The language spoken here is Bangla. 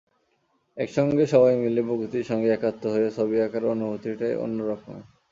একসঙ্গে সবাই মিলে প্রকৃতির সঙ্গে একাত্ম হয়ে ছবি আঁকার অনুভূতিটাই অন্য রকম।